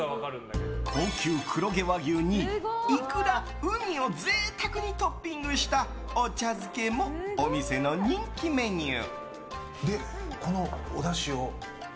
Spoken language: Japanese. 高級黒毛和牛にイクラ、ウニを贅沢にトッピングしたお茶漬けもお店の人気メニュー。